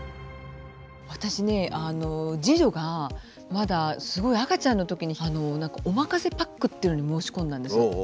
私ね次女がまだすごい赤ちゃんのときに何かおまかせパックっていうのに申し込んだんです。